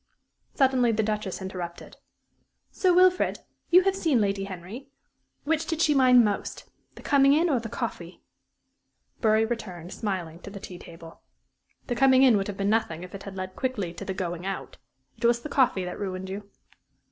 Suddenly the Duchess interrupted. "Sir Wilfrid, you have seen Lady Henry; which did she mind most the coming in or the coffee?" Bury returned, smiling, to the tea table. "The coming in would have been nothing if it had led quickly to the going out. It was the coffee that ruined you."